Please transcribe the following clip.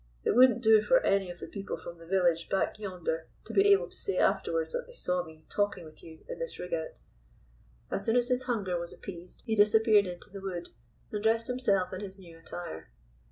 It wouldn't do for any of the people from the village back yonder to be able to say afterwards that they saw me talking with you in this rig out." As soon as his hunger was appeased he disappeared into the wood, and dressed himself in his new attire.